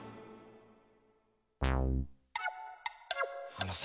あのさ